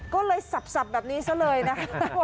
ก็เลยสับแบบนี้ซะเลยนะ